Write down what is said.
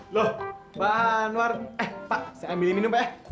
loh pak anwar eh pak saya ambil minum pak ya